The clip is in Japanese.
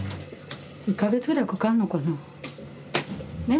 １か月ぐらいかかんのかな。ね？